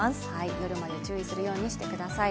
夜まで注意するようにしてください。